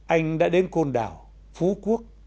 anh đã đến côn đảo phú quốc